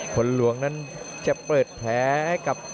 คนหลวงนั้นจะเปิดแพ้กับ